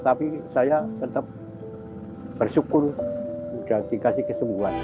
tapi saya tetap bersyukur nggak sakit nggak apa apa walaupun begini jalannya yang namanya kakinya nggak ada kan susah